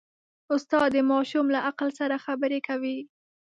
استاد د ماشوم له عقل سره خبرې کوي.